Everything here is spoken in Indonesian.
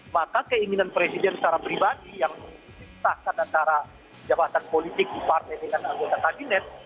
maka keinginan presiden secara pribadi yang disahkan antara jabatan politik di partai dengan anggota kabinet